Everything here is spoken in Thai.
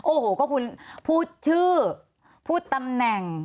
โอ้โหก็คุณพูดชื่อพูดตำแหน่ง